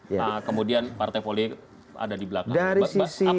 nah kemudian partai politik ada di belakang